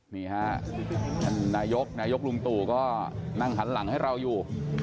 นี่ฮะท่านนายกนายกลุงตู่ก็นั่งหันหลังให้เราอยู่